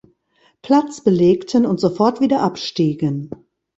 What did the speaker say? Platz belegten und sofort wieder abstiegen.